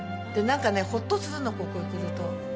でなんかねホッとするのここへ来ると。